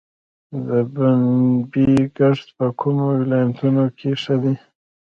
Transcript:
د پنبې کښت په کومو ولایتونو کې ښه دی؟